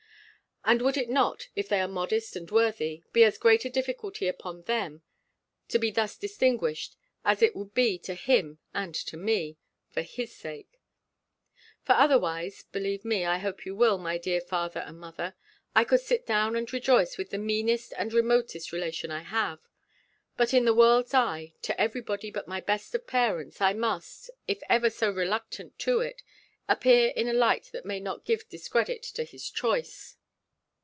And would it not, if they are modest and worthy, be as great a difficulty upon them, to be thus distinguished, as it would be to him and to me, for his sake? For otherwise (believe me, I hope you will, my dear father and mother), I could sit down and rejoice with the meanest and remotest relation I have. But in the world's eye, to every body but my best of parents, I must, if ever so reluctant to it, appear in a light that may not give discredit to his choice.